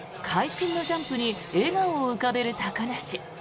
会心のジャンプに笑顔を浮かべる高梨。